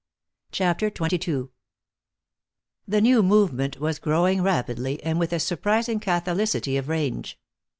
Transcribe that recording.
CHAPTER XXII The new movement was growing rapidly, and with a surprising catholicity of range.